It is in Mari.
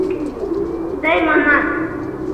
ТЫЙ МАНАТ